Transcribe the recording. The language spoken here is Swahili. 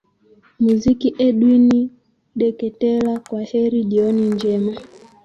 muziki edwin deketela kwa heri jioni njema